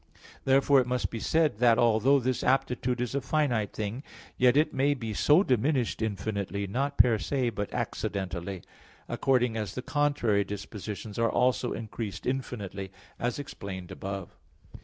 Therefore it must be said that, although this aptitude is a finite thing, still it may be so diminished infinitely, not per se, but accidentally; according as the contrary dispositions are also increased infinitely, as explained above.